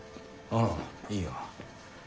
あぁいいよ。